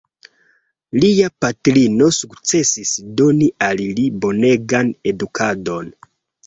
Lia patrino sukcesis doni al li bonegan edukadon.